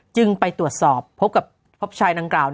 จึงไปตรวจสอบพบกับพบชายดังกล่าว